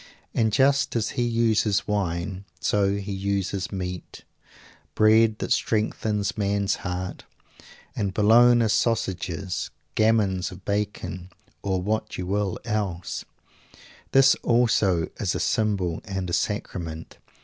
And just as he uses wine, so he uses meat. Bread that strengthened man's heart (and bologna sausages, gammons of bacon, or what you will, else) this also is a symbol and a sacrament.